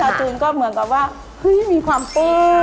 การที่บูชาเทพสามองค์มันทำให้ร้านประสบความสำเร็จ